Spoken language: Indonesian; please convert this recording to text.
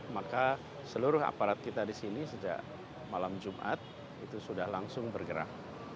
maka seluruh aparat kita di sini sejak malam jumat itu sudah langsung bergerak